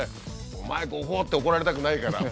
お前誤報！って怒られたくないから。